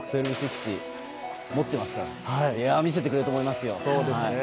見せてくれると思いますよ。